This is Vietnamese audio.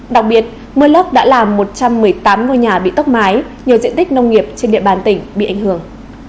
đặc biệt mưa lốc đã làm một trăm một mươi tám ngôi nhà bị tốc mái nhiều diện tích nông nghiệp trên địa bàn tỉnh bị ảnh hưởng